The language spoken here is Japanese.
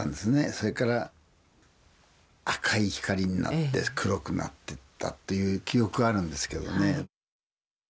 それから赤い光になって黒くなってったという記憶あるんですけどね。